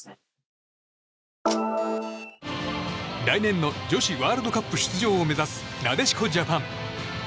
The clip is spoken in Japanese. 来年の女子ワールドカップ出場を目指すなでしこジャパン。